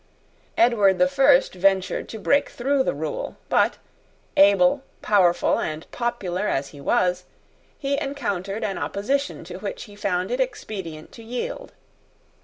Edward the First ventured to break through the rule: but, able, powerful, and popular as he was, he encountered an opposition to which he found it expedient to yield.